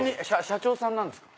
社長さんなんですか？